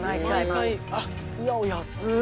うわっ安い！